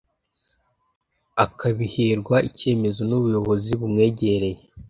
akabiherwa icyemezo nubuyobozi bumwegereye